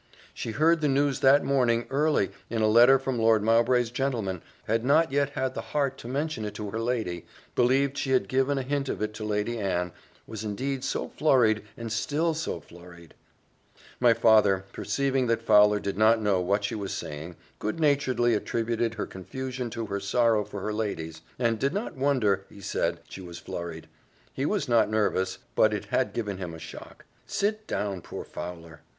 "She heard the news that morning, early, in a letter from Lord Mowbray's gentleman had not yet had the heart to mention it to her lady believed she had given a hint of it to Lady Anne was indeed so flurried, and still was so flurried " My father, perceiving that Fowler did not know what she was saying, good naturedly attributed her confusion to her sorrow for her ladies; and did not wonder, he said, she was flurried: he was not nervous, but it had given him a shock. "Sit down, poor Fowler."